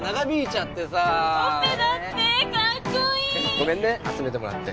ごめんね集めてもらって。